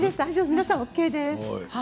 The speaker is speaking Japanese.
皆さんＯＫです。